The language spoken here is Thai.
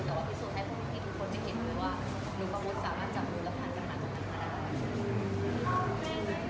แต่พิสูจน์ให้ทุกคนจะเข็มว่าหนูกับหนูสามารถจับรุ้นและผ่านจังหาตรงนั้นมาได้